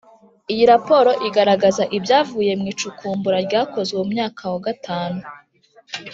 Iyi raporo igaragaza ibyavuye mu icukumbura ryakozwe mu myaka wa gatanu